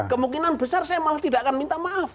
kemungkinan besar saya malah tidak akan minta maaf